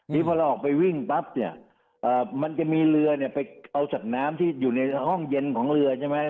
นี่พอเราออกไปวิ่งปั๊บเนี่ยมันจะมีเรือเนี่ยไปเอาสัตว์น้ำที่อยู่ในห้องเย็นของเรือใช่ไหม